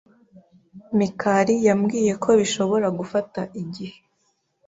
Mikali yambwiye ko bishobora gufata igihe.